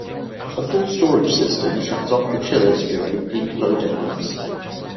A full storage system shuts off the chillers during peak load hours.